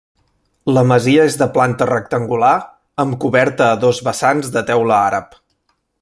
La masia és de planta rectangular amb coberta a dos vessants de teula àrab.